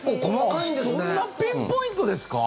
そんなピンポイントですか？